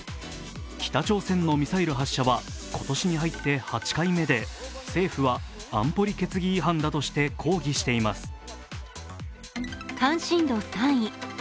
北朝鮮のミサイル発射は今年に入って８回目で政府は安保理決議違反だとして抗議しています。